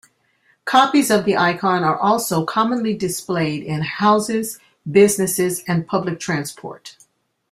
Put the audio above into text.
Copies of the icon are also commonly displayed in houses, businesses, and public transport.